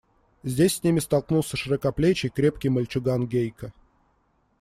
Здесь с ними столкнулся широкоплечий, крепкий мальчуган Гейка.